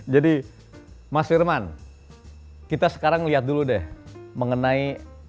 jadi mas firman kita sekarang lihat dulu deh mengenai